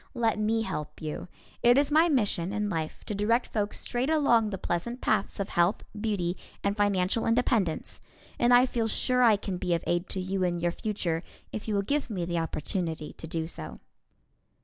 Let me help you. It is my mission in life to direct folks straight along the pleasant paths of health, beauty and financial independence, and I feel sure I can be of aid to you and your future if you will give me the opportunity to do so.